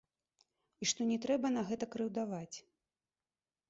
І што не трэба на гэта крыўдаваць.